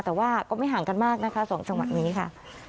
แต่ว่าก็ไม่ห่างกันมากนะคะ๒จังหวัดนี้ค่ะ